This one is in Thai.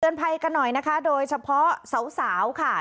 ภัยกันหน่อยนะคะโดยเฉพาะสาวค่ะ